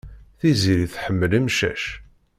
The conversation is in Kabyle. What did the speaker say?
Tiziri tḥemmel imcac.